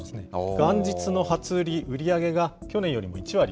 元日の初売り、売り上げが去年よ